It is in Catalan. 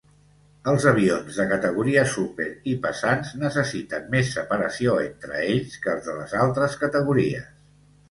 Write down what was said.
Els avions de categoria super i pesants necessiten més separació entre ells que els de les altres categories.